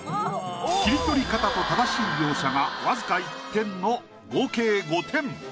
切り取り方と正しい描写が僅か１点の合計５点。